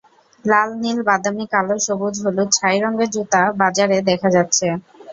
লাল, নীল, বাদামি, কালো, সবুজ, হলুদ, ছাই রঙের জুতা বাজারে দেখা যাচ্ছে।